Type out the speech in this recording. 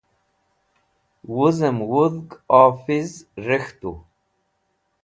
wuz'em wudg office rek̃htu